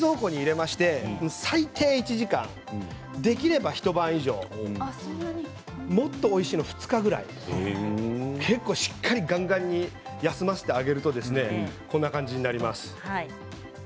ふたをして冷蔵庫に入れて最低１時間、できれば一晩以上もっとおいしいのは２日ぐらい結構しっかりがんがんに休ませてあげるとこんな感じになります。